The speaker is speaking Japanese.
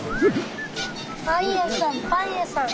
パンやさんパンやさん。